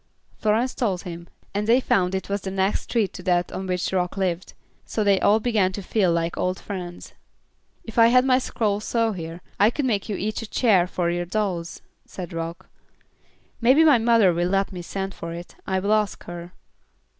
Florence told him, and they found it was in the next street to that on which Rock lived, so they all began to feel like old friends. "If I had my scroll saw here, I could make you each a chair for your dolls," said Rock. "Maybe my mother will let me send for it. I will ask her."